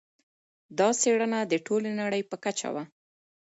دا څېړنه د ټولې نړۍ په کچه وه.